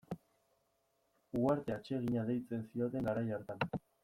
Uharte atsegina deitzen zioten garai hartan.